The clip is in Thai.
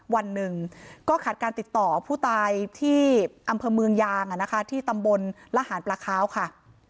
วันหนึ่งก็ขาดการติดต่อผู้ตายที่อำเภอเมืองยางที่ตำบลละหารปลาคาวค่ะ